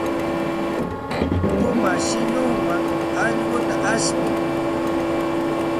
Puma shillunwan allquta ashpin.